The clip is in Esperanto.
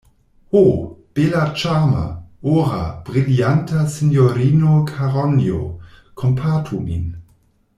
Ho, bela ĉarma, ora, brilianta sinjorino Karonjo, kompatu min!